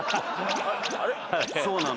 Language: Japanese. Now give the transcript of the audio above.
そうなの。